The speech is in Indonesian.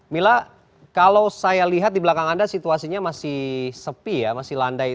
mila kalau saya lihat di belakang anda situasinya masih sepi ya masih landai